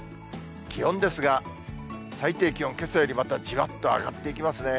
気温ですが、最低気温、けさよりまたじわっと上がっていきますね。